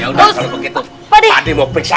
yaudah kalau begitu pakde mau periksa